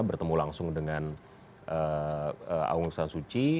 bertemu langsung dengan aung san suu kyi